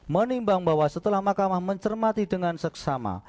menimbang bahwa setelah mahkamah mencermati dengan seksama